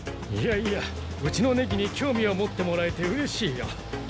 いやいやうちのネギに興味を持ってもらえて嬉しいよ。